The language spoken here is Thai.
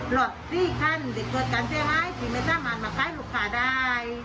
หลับสี่ขั้นได้กดการเสียหายที่ไม่สร้างมากมันใกล้ลูกค้าได้